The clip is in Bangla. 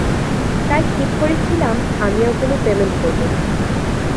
তাই ঠিক করেছি্লাম আমি আর কোনো পেমেন্ট করব না।